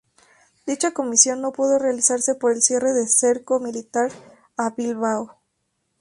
Dicha comisión no pudo realizarse por el cierre del cerco militar a Bilbao.